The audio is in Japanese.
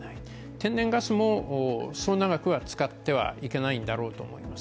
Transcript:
天然ガスもそう長くは使ってはいけないんだろうと思います。